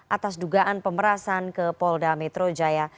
atas dugaan pemerasan ke polda metro jaya